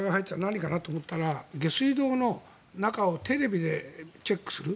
何かなと思ったら下水道の中をテレビでチェックする。